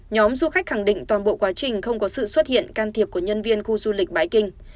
nhóm du khách khẳng định toàn bộ quá trình không có sự xuất hiện can thiệp của nhân viên khu du lịch bãi kinh